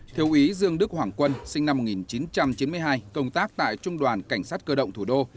thiếu úy dương đức hoàng quân sinh năm một nghìn chín trăm chín mươi hai công tác tại trung đoàn cảnh sát cơ động thủ đô